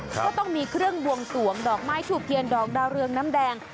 ก็ต้องมีเครื่องบวงสวงดอกไม้ถูกเทียนดอกดาวเรืองน้ำแดง